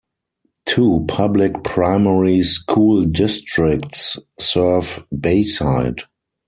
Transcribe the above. Two public primary school districts serve Bayside.